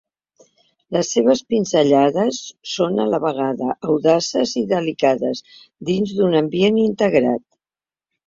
Les seves pinzellades són a la vegada audaces i delicades dins d'un ambient integrat.